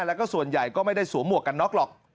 แล้วก็ส่วนใหญ่ก็ไม่ได้สวมหมวกกันน็อกหรอก